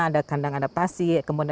ada kandang adaptasi kemudian